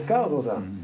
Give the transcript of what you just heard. お父さん。